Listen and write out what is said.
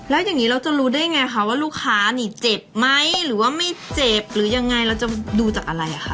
แล้วอย่างนี้เราจะรู้ได้ไงคะว่าลูกค้านี่เจ็บไหมหรือว่าไม่เจ็บหรือยังไงเราจะดูจากอะไรคะ